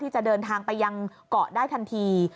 จะเดินทางไปยังเกาะได้ทันที